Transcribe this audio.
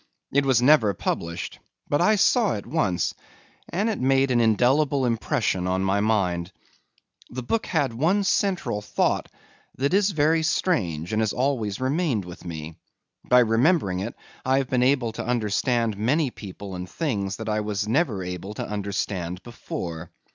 It was never published, but I saw it once and it made an indelible impression on my mind. The book had one central thought that is very strange and has always remained with me. By remembering it I have been able to understand many people and things that I was never able to understand before.